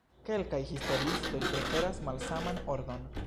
Kelkaj historiistoj preferas malsaman ordon.